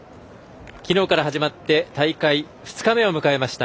きのうから始まって大会２日目を迎えました